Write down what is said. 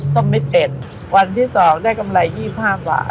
ก็ไม่เป็นวันที่๒ได้กำไร๒๕บาท